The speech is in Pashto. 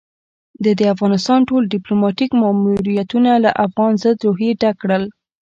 ده د افغانستان ټول ديپلوماتيک ماموريتونه له افغان ضد روحيې ډک کړل.